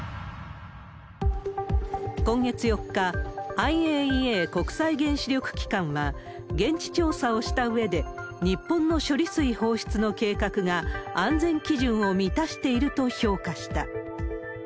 ＩＡＥＡ・国際原子力機関は現地調査をしたうえで、日本の処理水放出の計画が安全基準を満たしていると評価した。